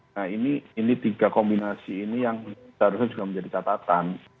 nah ini tiga kombinasi ini yang seharusnya juga menjadi catatan